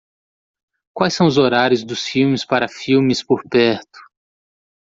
Quais são os horários dos filmes para filmes por perto?